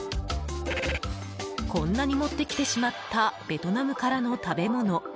こんなに持ってきてしまったベトナムからの食べ物。